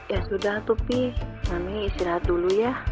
ya sudah atu pi mami istirahat dulu ya